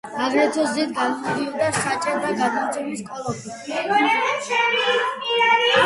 აგრეთვე ზედ მაგრდებოდა საჭე და გადაცემის კოლოფი.